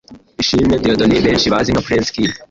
Ishimwe Dieudonné benshi bazi nka Prince Kid